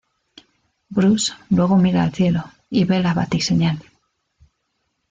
Bruce luego mira al cielo y ve la Bati-señal.